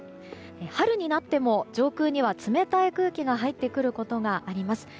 春になっても、上空には冷たい空気が入ってくることがあります。